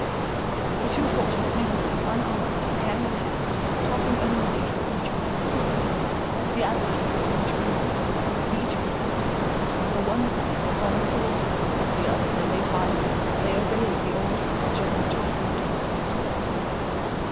The two forces mingling, unarmed and hand in hand, talking only how each might assist the other, the adversaries conjoined; each repenting, the one side their former cruelties, the other their late violence, they obeyed the orders of the General to proceed towards London.